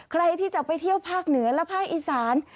ใครที่จะไปเที่ยวภาคเหนือและภาคอีสาน